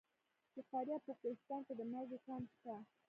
د فاریاب په کوهستان کې د مالګې کان شته.